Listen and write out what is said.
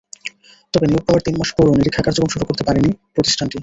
তবে নিয়োগ পাওয়ার তিন মাস পরও নিরীক্ষা কার্যক্রম শুরু করতে পারেনি প্রতিষ্ঠানটি।